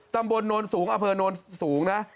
ตำบลโนนสูงอเภอนสูงนะ